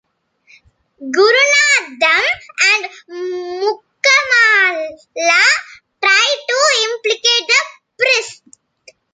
Gurunatham and Mukkamala try to implicate the Priest.